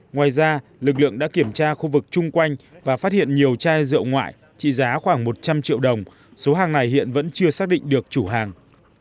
ngoài ra lực lượng đã kiểm tra khu vực chung quanh và phát hiện nhiều chai rượu ngoại trị giá khoảng một trăm linh triệu đồng số hàng này hiện vẫn chưa xác định được chủ hàng